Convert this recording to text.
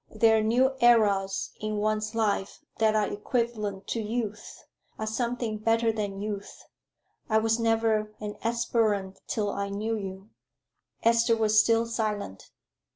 There are new eras in one's life that are equivalent to youth are something better than youth. I was never an aspirant till I knew you." Esther was still silent.